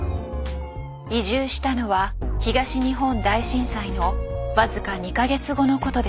移住したのは東日本大震災の僅か２か月後のことでした。